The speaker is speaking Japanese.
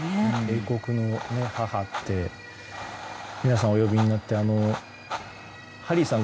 英国の母って皆さんお呼びになってハリーさん